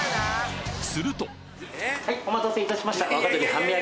するとはいお待たせ致しました。